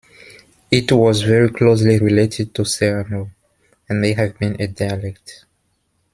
It was very closely related to Serrano, and may have been a dialect.